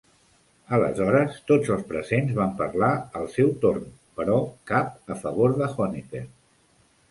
Aleshores tots els presents van parlar, al seu torn, però cap a favor de Honecker.